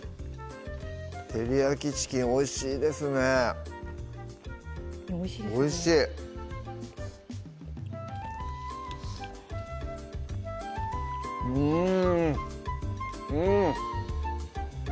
照り焼きチキンおいしいですねおいしいですねおいしいうんうん！